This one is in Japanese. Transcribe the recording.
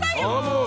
もう！